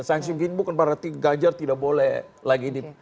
mungkin bukan berarti ganjar tidak boleh lagi di